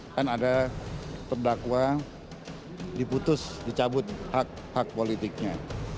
dan ada perdakwa diputus dicabut hak hak politiknya